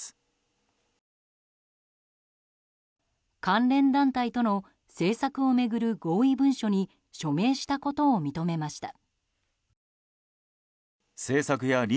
関連団体との政策を巡る合意文書に署名したことを認めました。